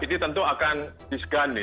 ini tentu akan disegani